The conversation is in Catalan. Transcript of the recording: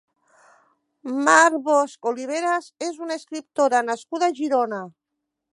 Mar Bosch Oliveras és una escriptora nascuda a Girona.